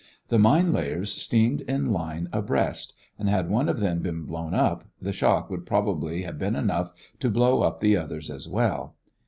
The mine layers steamed in line abreast, and had one of them been blown up, the shock would probably have been enough to blow up the others as well.